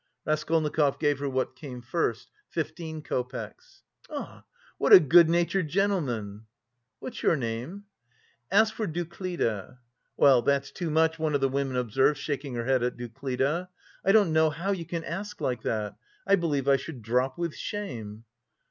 Raskolnikov gave her what came first fifteen copecks. "Ah, what a good natured gentleman!" "What's your name?" "Ask for Duclida." "Well, that's too much," one of the women observed, shaking her head at Duclida. "I don't know how you can ask like that. I believe I should drop with shame...."